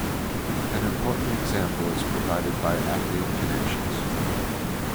An important example is provided by affine connections.